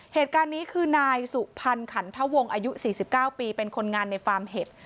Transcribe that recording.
เหตุการณ์นี้คือนายสุพรรณขันทวงอายุ๔๙ปีเป็นคนงานในฟาร์มเห็ด